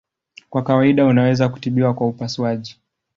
Kwa kawaida unaweza kutibiwa kwa upasuaji.